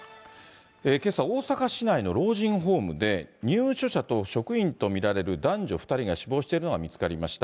けさ、大阪市内の老人ホームで、入所者と職員と見られる男女２人が死亡しているのが見つかりました。